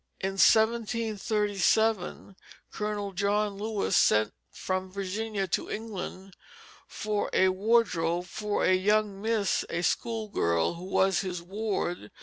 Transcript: In 1737 Colonel John Lewis sent from Virginia to England for a wardrobe for a young miss, a school girl, who was his ward.